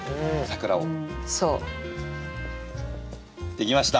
できました。